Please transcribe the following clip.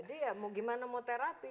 jadi ya mau gimana mau terapi